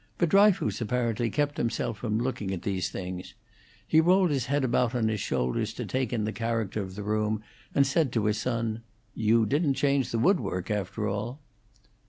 But Dryfoos apparently kept himself from looking at these things. He rolled his head about on his shoulders to take in the character of the room, and said to his son, "You didn't change the woodwork, after all."